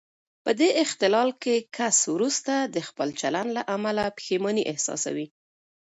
په دې اختلال کې کس وروسته د خپل چلن له امله پښېماني احساسوي.